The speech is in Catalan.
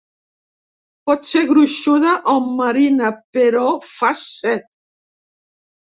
Pot ser gruixuda o marina, però fa set.